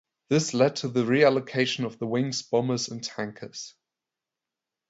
This led to the reallocation of the wing's bombers and tankers.